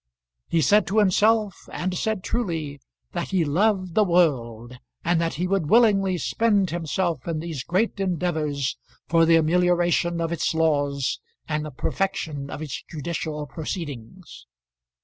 He said to himself, and said truly, that he loved the world, and that he would willingly spend himself in these great endeavours for the amelioration of its laws and the perfection of its judicial proceedings.